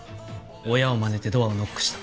親をまねてドアをノックした。